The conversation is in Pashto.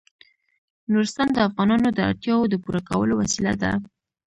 نورستان د افغانانو د اړتیاوو د پوره کولو وسیله ده.